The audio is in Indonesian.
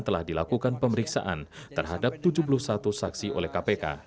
telah dilakukan pemeriksaan terhadap tujuh puluh satu saksi oleh kpk